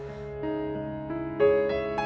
แล้วก็ถ้าเหลือก็จะเก็บไว้ให้ลูกเป็นการศึกษา